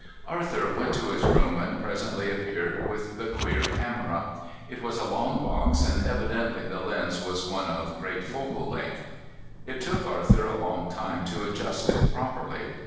Arthur went to his room and presently appeared with the queer camera. It was a long box, and evidently the lens was one of great focal length. It took Arthur a long time to adjust it properly.